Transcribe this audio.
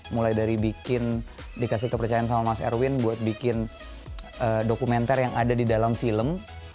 mulai dari bikin dikasih kepercayaan sama mas erwin buat bikin dokumenter yang ada di dalam film